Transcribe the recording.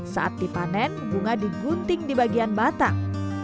saat dipanen bunga digunting di bagian batang